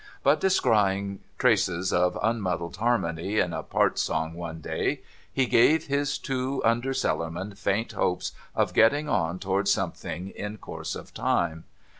But, descrying traces of un muddled harmony in a part song one day, he gave his two under cellarmen faint hopes of getting on towards something in course of time.